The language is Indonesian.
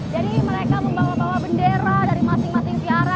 jadi mereka membawa bawa bendera dari masing masing siara